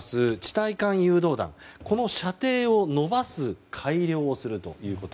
対艦誘導弾、この射程を伸ばす改良をするということ。